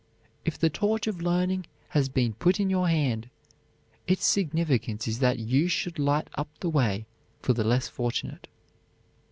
If the torch of learning has been put in your hand, its significance is that you should light up the way for the less fortunate.